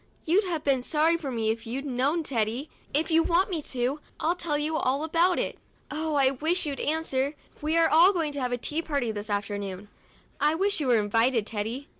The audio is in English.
You'd have been sorry for me if you'd have known, Teddy. If you want me to, I'll tell you all about it. Oh, I do wish you'd answer ! We are going to have a tea party this afternoon ; I wish you were invited, Teddy!